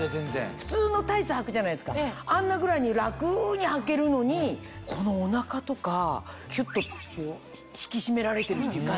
普通のタイツはくじゃないですかあんなぐらいに楽にはけるのにこのお腹とかキュっと引き締められてるっていう感じ。